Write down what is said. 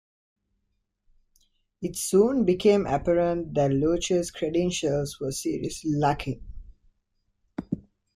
It soon became apparent that Leuchter's credentials were seriously lacking.